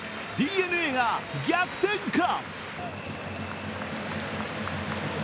ＤｅＮＡが逆転か？